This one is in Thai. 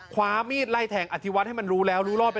คว้ามีดไล่แทงอธิวัฒน์ให้มันรู้แล้วรู้รอบแล้ว